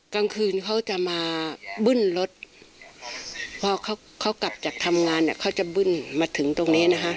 กลางคืนเขาจะมาบึ่มรถพ่อเขาเล่าจะทำงานเขาจะบึ่มมาถึงตรงนี้นะ